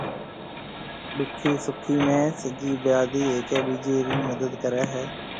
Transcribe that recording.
ڏُکِي سُکِي ۾ سجي برادري ھيَََڪيَ ٻيجيَ رِي مدد ڪريَ ھيََََ